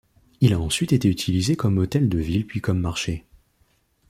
Il a ensuite été utilisé comme hôtel de ville puis comme marché.